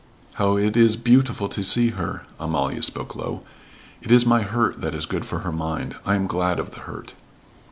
"How it is beautiful to see her!" Amalia spoke low. "It is my hurt that is good for her mind. I am glad of the hurt."